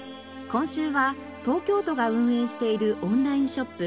今週は東京都が運営しているオンラインショップ